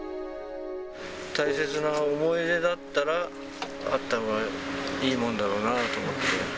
大切な思い出だったら、あったほうがいいもんだろうなと思って。